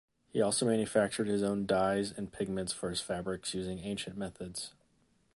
He also manufactured his own dyes and pigments for his fabrics using ancient methods.